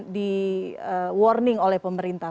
di warning oleh pemerintah